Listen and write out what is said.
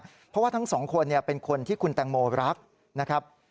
เพราะว่าทั้งสองคนเป็นคนที่คุณแตงโมรักนะครับ